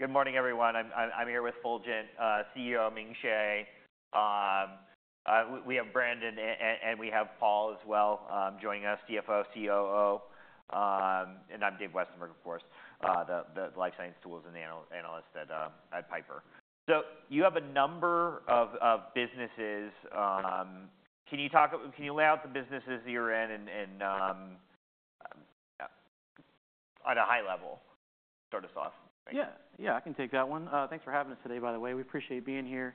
Good morning, everyone. I'm here with Fulgent CEO Ming Hsieh. We have Brandon and we have Paul as well, joining us, CFO, CCO. And I'm Dave Westenberg, of course, the life science tools and diagnostics analyst at Piper. So you have a number of businesses. Can you lay out the businesses that you're in and, at a high level? Start us off. Yeah. Yeah. I can take that one. Thanks for having us today, by the way. We appreciate being here.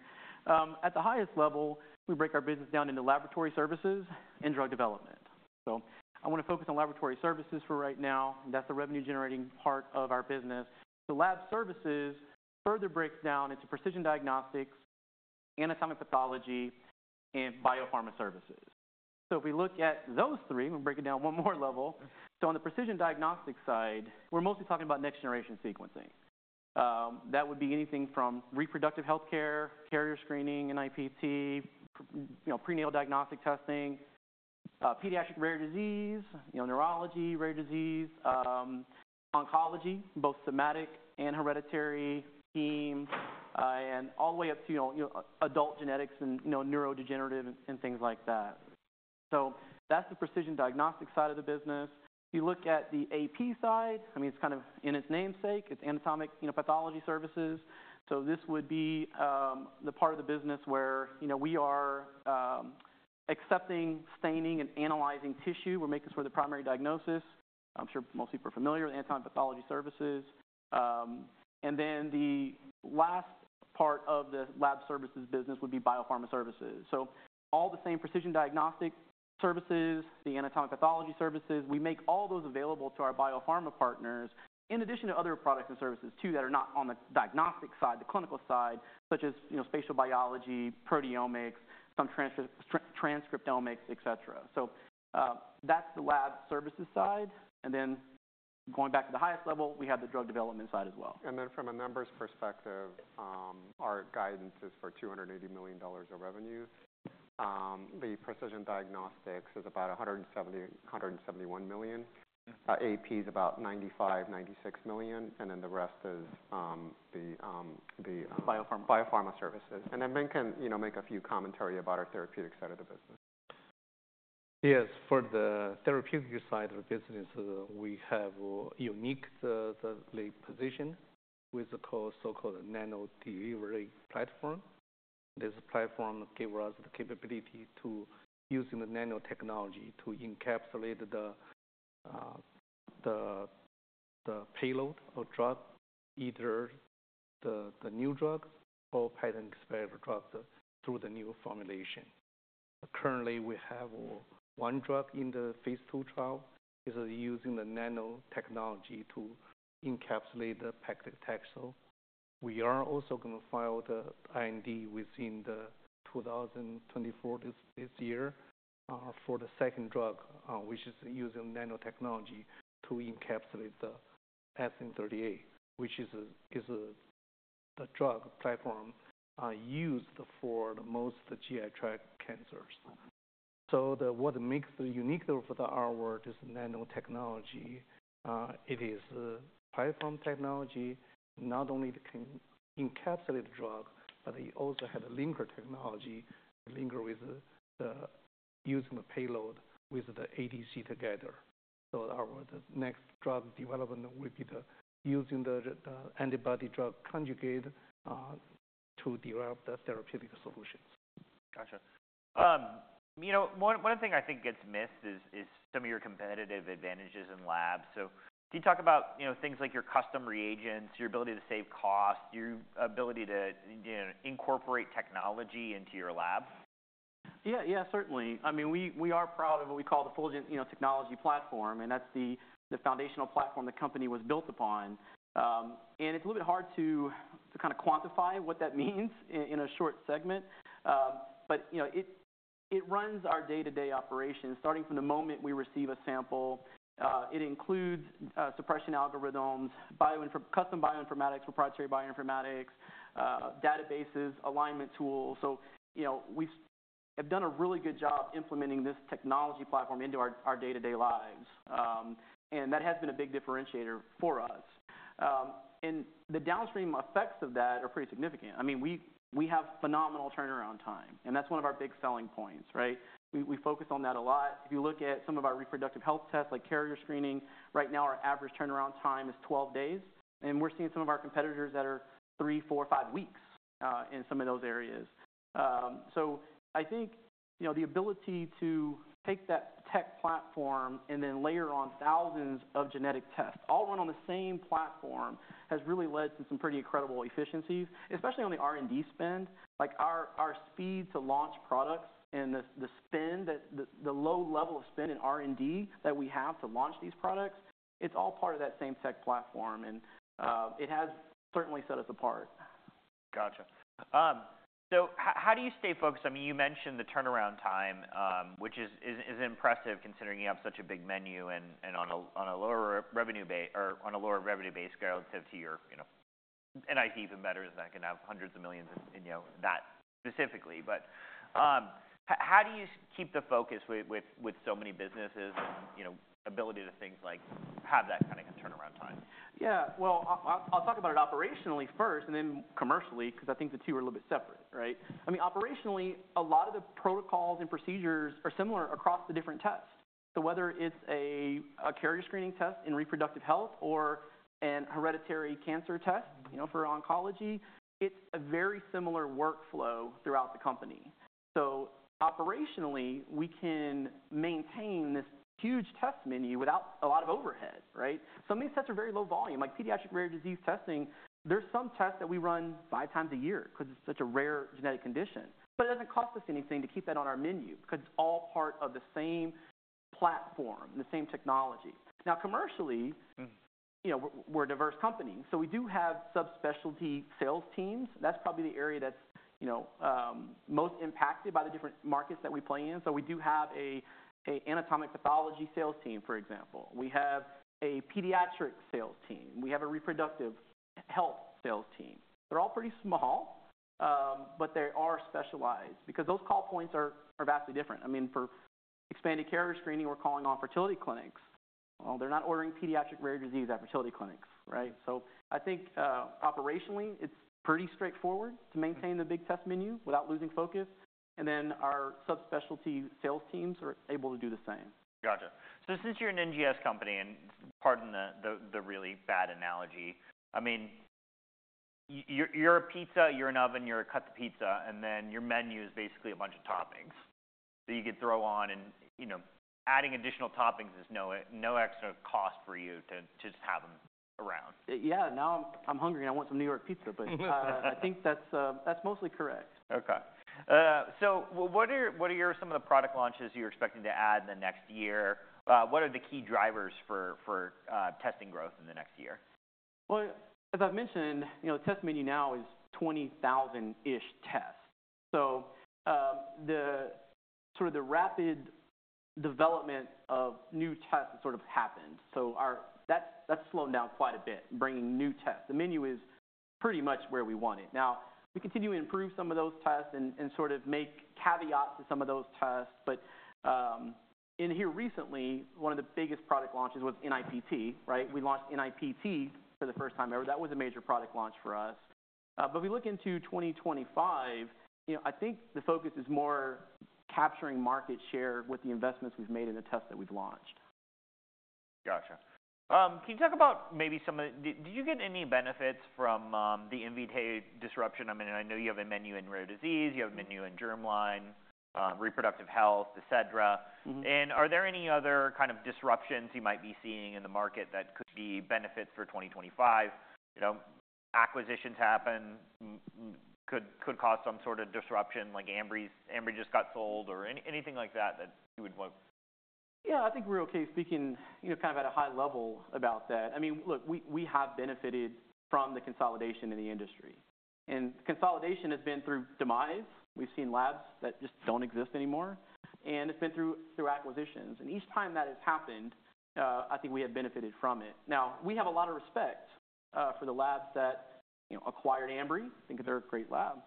At the highest level, we break our business down into laboratory services and drug development. So I wanna focus on laboratory services for right now. That's the revenue-generating part of our business. The lab services further break down into precision diagnostics, anatomic pathology, and biopharma services. So if we look at those three, we'll break it down one more level. So on the precision diagnostic side, we're mostly talking about next-generation sequencing. That would be anything from reproductive healthcare, carrier screening, NIPT, you know, prenatal diagnostic testing, pediatric rare disease, you know, neurology rare disease, oncology, both somatic and hereditary, heme, and all the way up to, you know, adult genetics and, you know, neurodegenerative and things like that. So that's the precision diagnostic side of the business. You look at the AP side, I mean, it's kind of in its namesake. It's anatomic, you know, pathology services. So this would be, the part of the business where, you know, we are, accepting, staining, and analyzing tissue. We're making sure the primary diagnosis. I'm sure most people are familiar with anatomic pathology services. And then the last part of the lab services business would be biopharma services. So all the same precision diagnostic services, the anatomic pathology services, we make all those available to our biopharma partners in addition to other products and services, too, that are not on the diagnostic side, the clinical side, such as, you know, spatial biology, proteomics, some transcriptomics, etc. So, that's the lab services side. And then going back to the highest level, we have the drug development side as well. And then from a numbers perspective, our guidance is for $280 million of revenue. The precision diagnostics is about $170 million-$171 million. Mm-hmm. AP's about $95 million-$96 million. And then the rest is, Biopharma. Biopharma services. And then Brandon can, you know, make a few commentary about our therapeutic side of the business. Yes. For the therapeutic side of the business, we have unique lead position with the so-called nano-delivery platform. This platform gave us the capability to, using the nanotechnology, to encapsulate the payload of drug, either the new drug or patent-expired drugs through the new formulation. Currently, we have one drug in the phase II trial. This is using the nanotechnology to encapsulate the paclitaxel. We are also gonna file the IND within 2024, this year, for the second drug, which is using nanotechnology to encapsulate the SN-38, which is the drug used for the most GI tract cancers. So what makes our R&D unique is nanotechnology. It is platform technology. Not only can encapsulate the drug, but it also had a linker technology, linker with using the payload with the ADC together. Our next drug development will be using the antibody-drug conjugate to develop therapeutic solutions. Gotcha. You know, one thing I think gets missed is some of your competitive advantages in labs. So can you talk about, you know, things like your custom reagents, your ability to save cost, your ability to, you know, incorporate technology into your lab? Yeah. Yeah. Certainly. I mean, we are proud of what we call the Fulgent, you know, technology platform, and that's the foundational platform the company was built upon. It's a little bit hard to kinda quantify what that means in a short segment, but you know, it runs our day-to-day operations starting from the moment we receive a sample. It includes suppression algorithms, in custom bioinformatics, proprietary bioinformatics, databases, alignment tools, so you know, we've done a really good job implementing this technology platform into our day-to-day lives, and that has been a big differentiator for us, and the downstream effects of that are pretty significant. I mean, we have phenomenal turnaround time, and that's one of our big selling points, right? We focus on that a lot. If you look at some of our reproductive health tests, like carrier screening, right now our average turnaround time is 12 days, and we're seeing some of our competitors that are three, four, five weeks in some of those areas, so I think, you know, the ability to take that tech platform and then layer on thousands of genetic tests, all run on the same platform, has really led to some pretty incredible efficiencies, especially on the R&D spend. Like, our speed to launch products and the spend that the low level of spend in R&D that we have to launch these products, it's all part of that same tech platform, and it has certainly set us apart. Gotcha. So how do you stay focused? I mean, you mentioned the turnaround time, which is impressive considering you have such a big menu and on a lower revenue base relative to your, you know, and I see even better is that can have hundreds of millions in, you know, that specifically. But, how do you keep the focus with so many businesses and, you know, ability to things like have that kinda turnaround time? Yeah. Well, I'll talk about it operationally first and then commercially 'cause I think the two are a little bit separate, right? I mean, operationally, a lot of the protocols and procedures are similar across the different tests. So whether it's a carrier screening test in reproductive health or an hereditary cancer test, you know, for oncology, it's a very similar workflow throughout the company. So operationally, we can maintain this huge test menu without a lot of overhead, right? Some of these tests are very low volume. Like, pediatric rare disease testing, there's some tests that we run five times a year 'cause it's such a rare genetic condition. But it doesn't cost us anything to keep that on our menu 'cause it's all part of the same platform, the same technology. Now, commercially. Mm-hmm. You know, we're a diverse company. So we do have subspecialty sales teams. That's probably the area that's, you know, most impacted by the different markets that we play in. So we do have a anatomic pathology sales team, for example. We have a pediatric sales team. We have a reproductive health sales team. They're all pretty small, but they are specialized because those call points are vastly different. I mean, for expanded carrier screening, we're calling on fertility clinics. Well, they're not ordering pediatric rare disease at fertility clinics, right? So I think, operationally, it's pretty straightforward to maintain the big test menu without losing focus. And then our subspecialty sales teams are able to do the same. Gotcha. So since you're an NGS company and pardon the really bad analogy, I mean, you're a pizza, you're an oven, you're the cutter, the pizza, and then your menu is basically a bunch of toppings that you could throw on. And, you know, adding additional toppings is no extra cost for you to just have them around. Yeah. Now I'm hungry and I want some New York pizza, but I think that's mostly correct. Okay, so what are some of the product launches you're expecting to add in the next year? What are the key drivers for testing growth in the next year? As I've mentioned, you know, the test menu now is 20,000-ish tests. The sort of rapid development of new tests sort of happened. That's slowed down quite a bit, bringing new tests. The menu is pretty much where we want it. Now, we continue to improve some of those tests and sort of make caveats to some of those tests. But here recently, one of the biggest product launches was NIPT, right? We launched NIPT for the first time ever. That was a major product launch for us, but if we look into 2025, you know, I think the focus is more capturing market share with the investments we've made in the tests that we've launched. Gotcha. Can you talk about maybe some of the did you get any benefits from the Invitae disruption? I mean, I know you have a menu in rare disease. You have a menu in germline, reproductive health, etc. Mm-hmm. Are there any other kind of disruptions you might be seeing in the market that could be benefits for 2025? You know, acquisitions happen, could cause some sort of disruption, like Ambry just got sold or anything like that you would want? Yeah. I think we're okay speaking, you know, kind of at a high level about that. I mean, look, we have benefited from the consolidation in the industry. And consolidation has been through demise. We've seen labs that just don't exist anymore. And it's been through acquisitions. And each time that has happened, I think we have benefited from it. Now, we have a lot of respect for the labs that, you know, acquired Ambry. I think they're a great lab.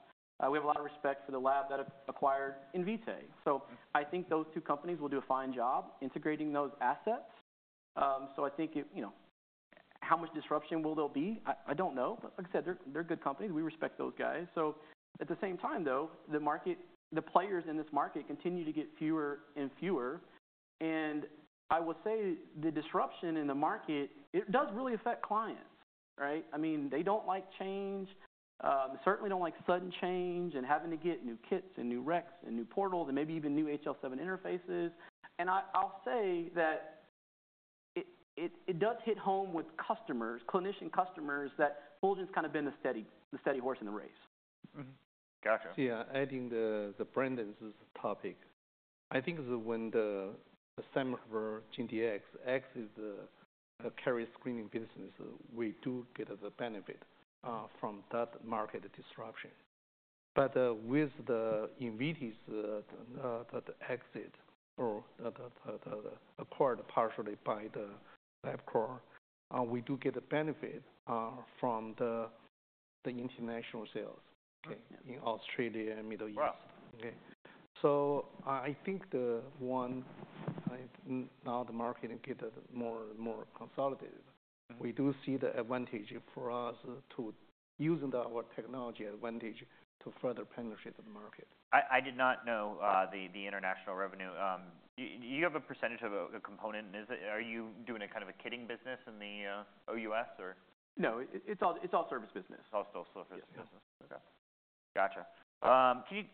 We have a lot of respect for the lab that acquired Invitae. So I think those two companies will do a fine job integrating those assets. So I think, you know, how much disruption will there be? I don't know. But like I said, they're good companies. We respect those guys. So at the same time, though, the market, the players in this market continue to get fewer and fewer. And I will say the disruption in the market, it does really affect clients, right? I mean, they don't like change. Certainly don't like sudden change and having to get new kits and new recs and new portals and maybe even new HL7 interfaces. And I'll say that it does hit home with customers, clinician customers, that Fulgent's kinda been the steady horse in the race. Mm-hmm. Gotcha. Yeah. Adding to Brandon's topic, I think it is when the December GeneDx exit the carrier screening business, we do get the benefit from that market disruption. But, with the Invitae, that exit or that acquired partially by the Labcorp, we do get the benefit from the international sales, okay, in Australia and Middle East. Right. Okay, so I think the market gets more and more consolidated. Mm-hmm. We do see the advantage for us to using our technology advantage to further penetrate the market. I did not know the international revenue. You have a percentage of a component. And are you doing a kind of kit business in the OUS or? No. It's all service business. It's all still service business. Yes. Okay. Gotcha. Can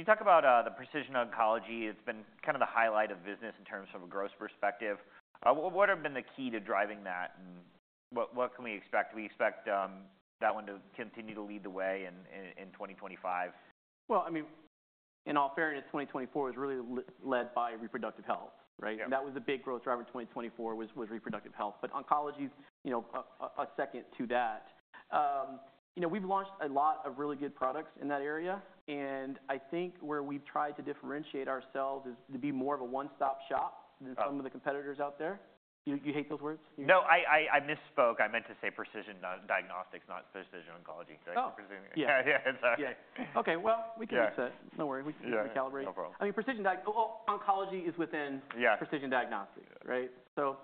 you talk about the precision oncology? It's been kinda the highlight of business in terms of a growth perspective. What have been the key to driving that? And what can we expect? Do we expect that one to continue to lead the way in 2025? I mean, in all fairness, 2024 was really led by reproductive health, right? Yeah. And that was a big growth driver in 2024: reproductive health. But oncology's, you know, a second to that. You know, we've launched a lot of really good products in that area. And I think where we've tried to differentiate ourselves is to be more of a one-stop shop than some of the competitors out there. You hate those words? No. I misspoke. I meant to say precision diagnostics, not precision oncology. Oh. Yeah. Yeah. It's a. Yeah. Okay, well, we can accept it. No worries. We can recalibrate. Yeah. No problem. I mean, precision diagnostics. Well, oncology is within. Yeah. Precision diagnostics, right? So,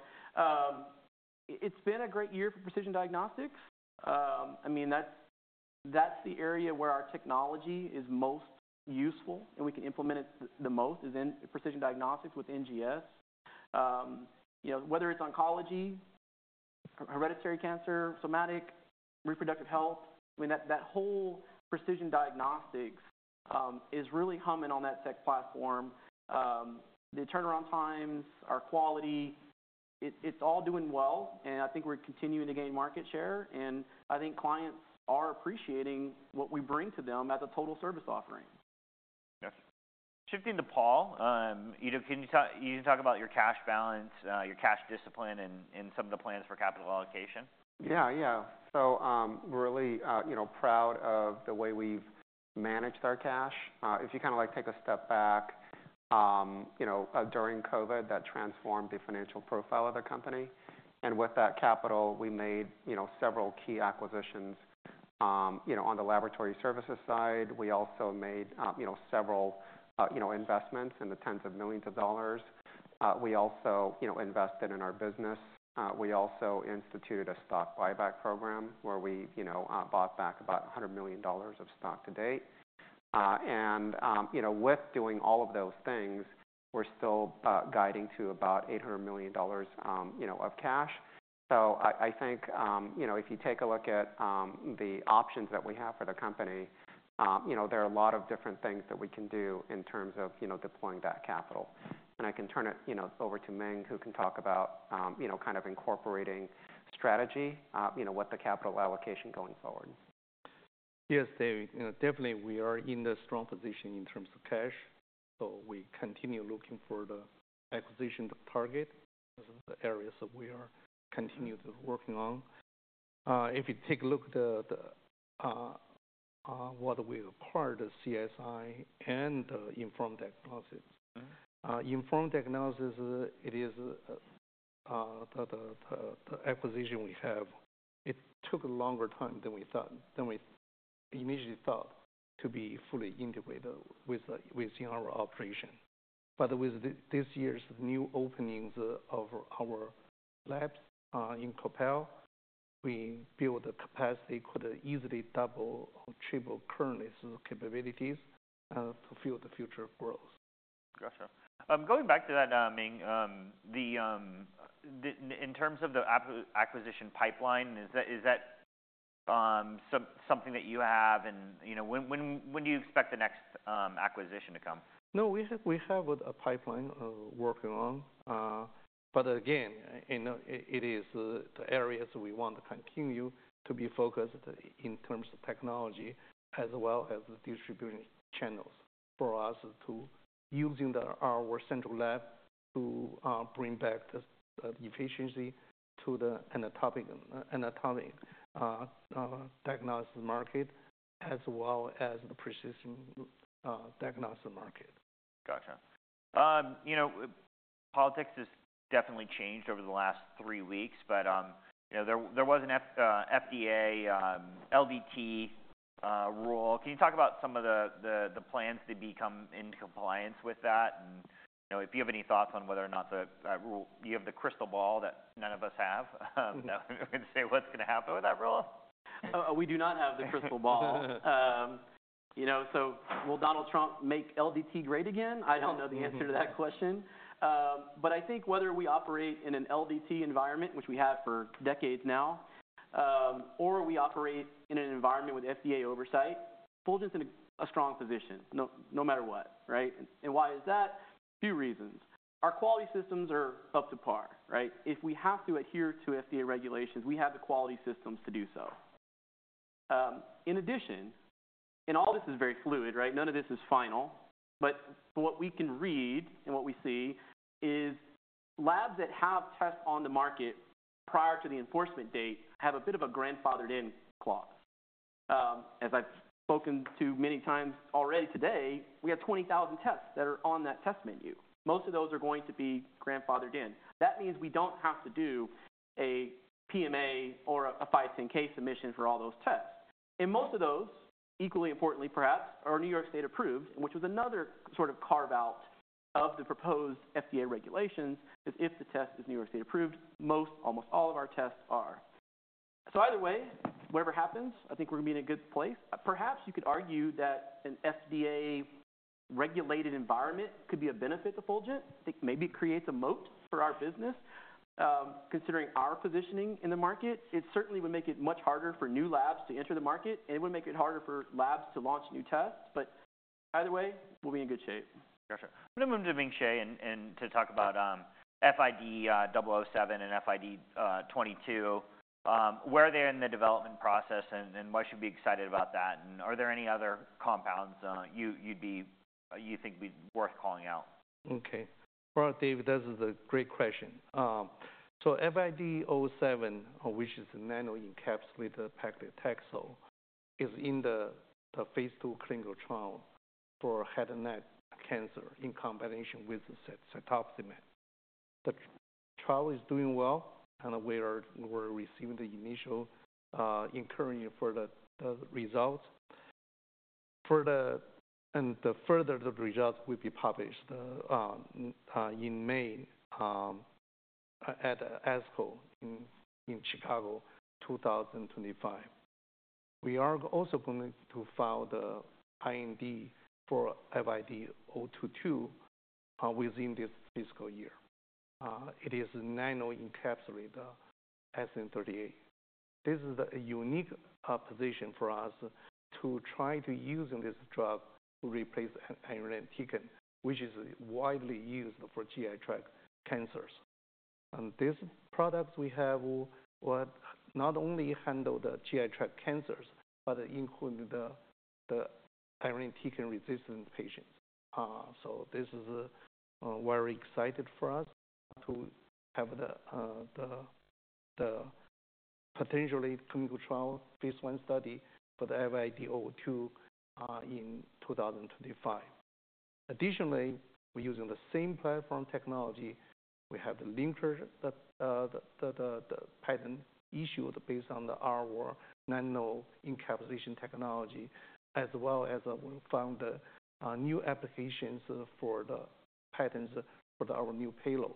it's been a great year for Precision diagnostics. I mean, that's the area where our technology is most useful and we can implement it the most is in Precision diagnostics with NGS. You know, whether it's oncology, hereditary cancer, somatic, reproductive health, I mean, that whole Precision diagnostics is really humming on that tech platform. The turnaround times, our quality, it's all doing well. And I think we're continuing to gain market share. And I think clients are appreciating what we bring to them as a total service offering. Yes. Shifting to Paul, you know, can you talk about your cash balance, your cash discipline, and some of the plans for capital allocation? Yeah. Yeah. So, we're really, you know, proud of the way we've managed our cash. If you kinda like take a step back, you know, during COVID, that transformed the financial profile of the company, and with that capital, we made, you know, several key acquisitions, you know, on the laboratory services side. We also made, you know, several, you know, investments in the tens of millions of dollars. We also, you know, invested in our business. We also instituted a stock buyback program where we, you know, bought back about $100 million of stock to date, and with doing all of those things, we're still guiding to about $800 million, you know, of cash. I think, you know, if you take a look at the options that we have for the company, you know, there are a lot of different things that we can do in terms of, you know, deploying that capital, and I can turn it, you know, over to Ming who can talk about, you know, kind of incorporating strategy, you know, with the capital allocation going forward. Yes, David. You know, definitely we are in the strong position in terms of cash. So we continue looking for the acquisition target. This is the areas that we are continued working on. If you take a look at the what we acquired, the CSI and the Inform Diagnostics. Mm-hmm. Inform Diagnostics, it is the acquisition we have. It took a longer time than we initially thought to be fully integrated within our operation. But with this year's new openings of our labs in Coppell, we build a capacity could easily double or triple current capabilities and fulfill the future growth. Gotcha. Going back to that, Ming, in terms of the acquisition pipeline, is that something that you have? And, you know, when do you expect the next acquisition to come? No. We have a pipeline working on, but again, you know, it is the areas we want to continue to be focused in terms of technology as well as the distribution channels for us to using our central lab to bring back the efficiency to the anatomic diagnosis market as well as the precision diagnosis market. Gotcha. You know, politics has definitely changed over the last three weeks. But, you know, there was an FDA LDT rule. Can you talk about some of the plans to become in compliance with that? And, you know, if you have any thoughts on whether or not that rule you have the crystal ball that none of us have. We'd say, what's gonna happen with that rule? We do not have the crystal ball. You know, so will Donald Trump make LDT great again? I don't know the answer to that question. But I think whether we operate in an LDT environment, which we have for decades now, or we operate in an environment with FDA oversight, Fulgent's in a strong position no matter what, right? And why is that? A few reasons. Our quality systems are up to par, right? If we have to adhere to FDA regulations, we have the quality systems to do so. In addition, and all this is very fluid, right? None of this is final. But what we can read and what we see is labs that have tests on the market prior to the enforcement date have a bit of a grandfathered-in clause. As I've spoken to many times already today, we have 20,000 tests that are on that test menu. Most of those are going to be grandfathered in. That means we don't have to do a PMA or a 510(k) submission for all those tests. And most of those, equally importantly perhaps, are New York State approved, which was another sort of carve-out of the proposed FDA regulations if the test is New York State approved. Most almost all of our tests are. So either way, whatever happens, I think we're gonna be in a good place. Perhaps you could argue that an FDA regulated environment could be a benefit to Fulgent. I think maybe it creates a moat for our business. Considering our positioning in the market, it certainly would make it much harder for new labs to enter the market. It would make it harder for labs to launch new tests. Either way, we'll be in good shape. Gotcha. What about to Ming Hsieh and to talk about FID-007 and FID-022? Where are they in the development process? And why should we be excited about that? And are there any other compounds you think would be worth calling out? Okay. Well, David, this is a great question. So FID-007, which is a nano-encapsulated paclitaxel, is in the phase II clinical trial for head and neck cancer in combination with the cetuximab. The trial is doing well. And we are receiving the initial, encouraging results. And the further results will be published in May at ASCO in Chicago 2025. We are also going to file the IND for FID-022 within this fiscal year. It is nano-encapsulated SN-38. This is a unique position for us to try to use this drug to replace irinotecan which is widely used for GI tract cancers. And this product we have will not only handle the GI tract cancers but include the irinotecan-resistant patients. So this is very excited for us to have the potentially clinical trial phase one study for the FID-022 in 2025. Additionally, we're using the same platform technology. We have the linker, the patent issued based on the our nano-encapsulation technology as well as we found new applications for the patents for our new payload.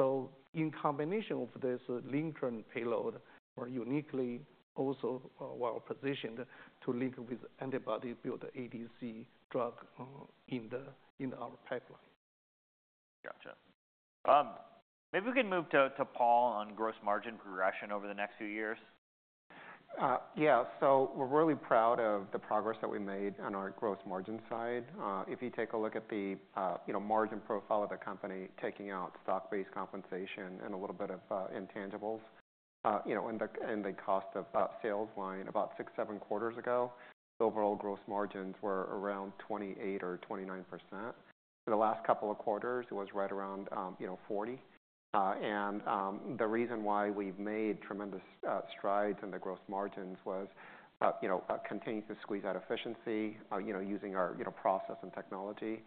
So in combination with this linker and payload, we're uniquely also well-positioned to link with antibody-drug conjugate ADC drug in our pipeline. Gotcha. Maybe we can move to Paul on gross margin progression over the next few years. Yeah. So we're really proud of the progress that we made on our gross margin side. If you take a look at the, you know, margin profile of the company taking out stock-based compensation and a little bit of intangibles, you know, in the cost of sales line, about six, seven quarters ago, the overall gross margins were around 28% or 29%. For the last couple of quarters, it was right around, you know, 40%, and the reason why we've made tremendous strides in the gross margins was, you know, continuing to squeeze out efficiency, you know, using our, you know, process and technology,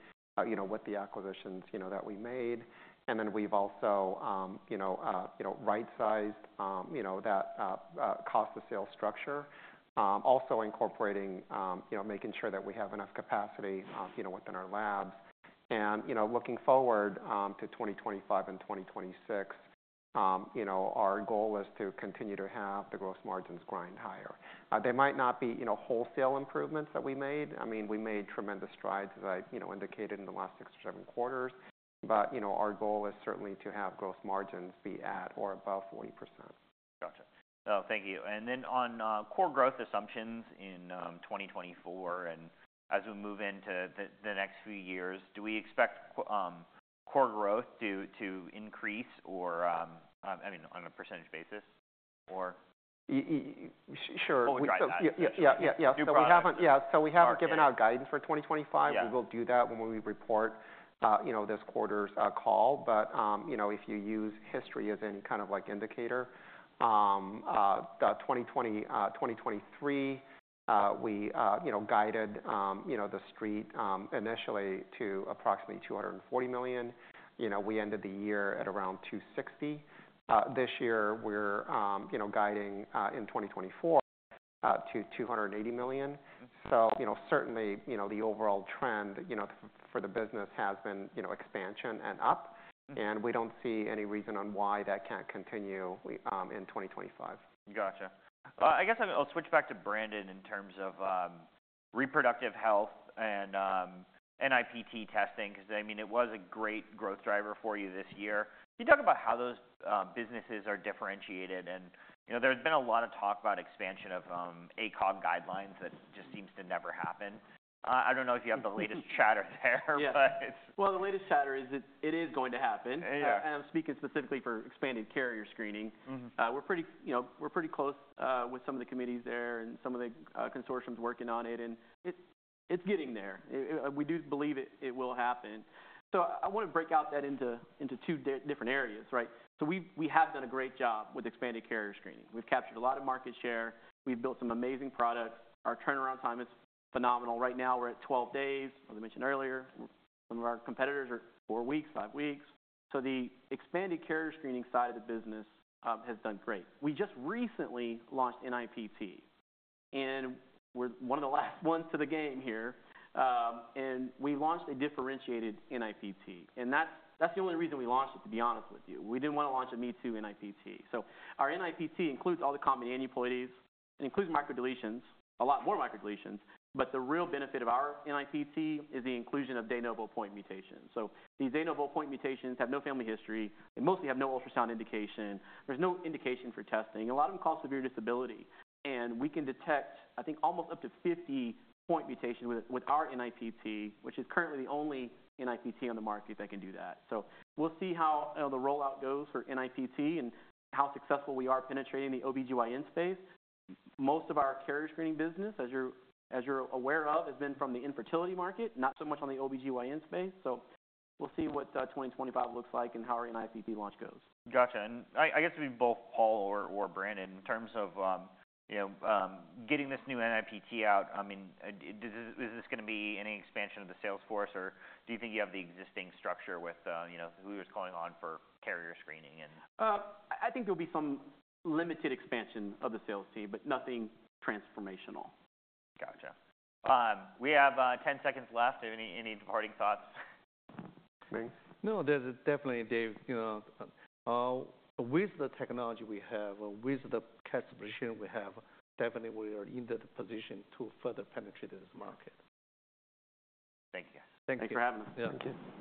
you know, with the acquisitions, you know, that we made. And then we've also, you know, you know, right-sized, you know, that cost of sales structure, also incorporating, you know, making sure that we have enough capacity, you know, within our labs. You know, looking forward to 2025 and 2026, you know, our goal is to continue to have the gross margins grind higher. They might not be, you know, wholesale improvements that we made. I mean, we made tremendous strides as I, you know, indicated in the last six or seven quarters. You know, our goal is certainly to have gross margins be at or above 40%. Gotcha. Oh, thank you. And then on core growth assumptions in 2024 and as we move into the next few years, do we expect core growth to increase or? I mean, on a percentage basis or? Y-y-y sure. What would you drive that? So we haven't given out guidance for 2025. Yeah. We will do that when we report, you know, this quarter's call. But you know, if you use history as any kind of, like, indicator, the 2020-2023, we you know, guided you know, the Street initially to approximately $240 million. You know, we ended the year at around $260 million. This year, we're you know, guiding in 2024 to $280 million. So you know, certainly you know, the overall trend you know, for the business has been you know, expansion and up. And we don't see any reason on why that can't continue in 2025. Gotcha. I guess I'll switch back to Brandon in terms of reproductive health and NIPT testing because, I mean, it was a great growth driver for you this year. Can you talk about how those businesses are differentiated? And, you know, there's been a lot of talk about expansion of ACOG guidelines that just seems to never happen. I don't know if you have the latest chatter there, but. Yeah. Well, the latest chatter is that it is going to happen. Yeah. I'm speaking specifically for expanded carrier screening. Mm-hmm. We're pretty, you know, we're pretty close with some of the committees there and some of the consortiums working on it, and it's getting there. We do believe it will happen, so I want to break out that into two different areas, right? So we have done a great job with expanded carrier screening. We've captured a lot of market share. We've built some amazing products. Our turnaround time is phenomenal. Right now, we're at 12 days, as I mentioned earlier. Some of our competitors are four weeks, five weeks. So the expanded carrier screening side of the business has done great. We just recently launched NIPT, and we're one of the last ones to the game here, and we launched a differentiated NIPT. And that's the only reason we launched it, to be honest with you. We didn't want to launch a me-too NIPT. Our NIPT includes all the common aneuploidies, includes microdeletions, a lot more microdeletions. The real benefit of our NIPT is the inclusion of de novo point mutations. These de novo point mutations have no family history. They mostly have no ultrasound indication. There's no indication for testing. A lot of them cause severe disability. We can detect, I think, almost up to 50 point mutations with our NIPT, which is currently the only NIPT on the market that can do that. We'll see how, you know, the rollout goes for NIPT and how successful we are penetrating the OB-GYN space. Most of our carrier screening business, as you're aware of, has been from the infertility market, not so much on the OB-GYN space. We'll see what 2025 looks like and how our NIPT launch goes. Gotcha. And I guess it'd be both Paul or Brandon in terms of, you know, getting this new NIPT out. I mean, is this gonna be any expansion of the sales force? Or do you think you have the existing structure with, you know, who is calling on for carrier screening and? I think there'll be some limited expansion of the sales team, but nothing transformational. Gotcha. We have 10 seconds left. Any departing thoughts? Ming? No, there's definitely, Dave, you know, with the technology we have, with the customers we have, definitely we are in the position to further penetrate this market. Thank you. Thank you. Thanks for having us. Yeah. Thank you.